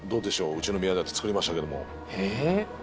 うちの宮舘作りましたけどもえ！？